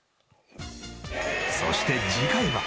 そして次回は。